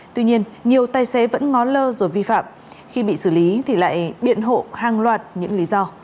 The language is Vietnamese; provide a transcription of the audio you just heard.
tuy nhiên nhiều tài xế vẫn ngó lơ rồi vi phạm khi bị xử lý thì lại biện hộ hàng loạt những lý do